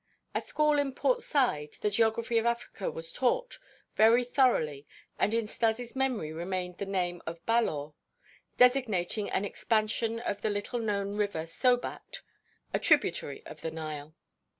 At school in Port Said, the geography of Africa was taught very thoroughly and in Stas' memory remained the name of Ballor, designating an expansion of the little known river Sobat, a tributary of the Nile.